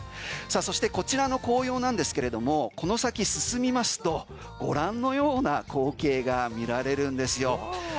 そしてこちらの紅葉なんですがこの先進みますとご覧のような光景が見られるんですよ。